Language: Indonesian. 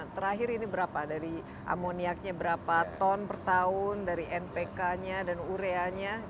terakhir ini berapa dari amoniaknya berapa ton per tahun dari npk nya dan ureanya